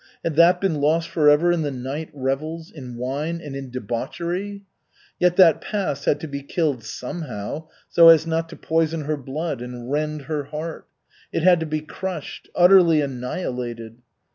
Had that been lost forever in the night revels, in wine, and in debauchery? Yet that past had to be killed somehow, so as not to poison her blood and rend her heart. It had to be crushed, utterly annihilated.